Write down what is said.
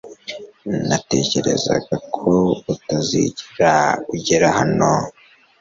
natekerezaga ko utazigera ugera hano